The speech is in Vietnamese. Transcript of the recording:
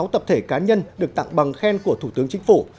một trăm bốn mươi sáu tập thể cá nhân được tặng bằng khen của thủ tướng chính phủ